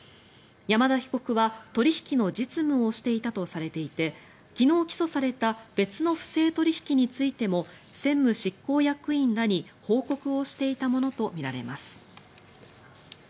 山田被告は取引の実務をしていたとされていて昨日、起訴された別の不正取引についても専務執行役員らに報告をしていたものとみられます。